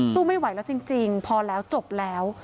สู้ไม่ไหวแล้วจริงพอแล้วจบแล้ว